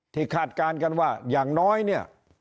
คาดการณ์กันว่าอย่างน้อยเนี่ย